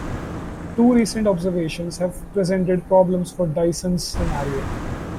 Two recent observations have presented problems for Dyson's scenario.